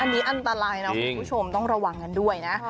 อันนี้อันตรายนะคุณผู้ชมต้องระวังกันด้วยนะ